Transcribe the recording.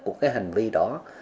của cái hành vi đó